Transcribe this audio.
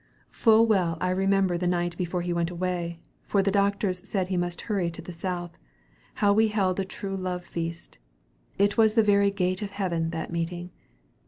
"Full well I remember the night before he went away (for the doctors said he must hurry to the South); how we held a true love feast. It was the very gate of heaven, that meeting.